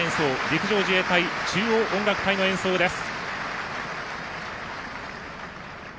陸上自衛隊中央音楽隊の演奏です。